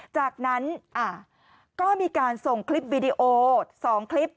จากนั้นก็มีการส่งคลิปวิดีโอ๒คลิป